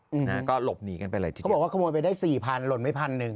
อืมนะฮะก็หลบหนีกันไปเลยจริงเขาบอกว่าขโมยไปได้สี่พันหล่นไว้พันหนึ่ง